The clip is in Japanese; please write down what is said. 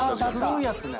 黒いやつね。